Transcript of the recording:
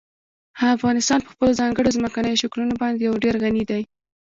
افغانستان په خپلو ځانګړو ځمکنیو شکلونو باندې یو ډېر غني دی.